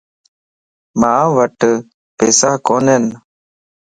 مان وٽ پيساڪونين